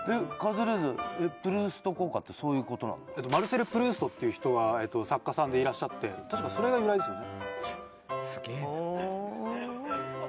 カズレーザーマルセル・プルーストっていう人は作家さんでいらっしゃって確かそれが由来ですよね